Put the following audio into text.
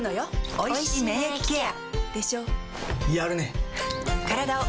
おいしい免疫ケア